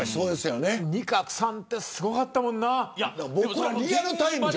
仁鶴さんは、すごかったもんな。